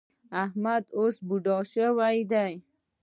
احمد اوس بوډا شوی دی.